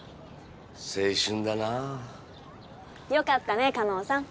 青春だなよかったね叶さん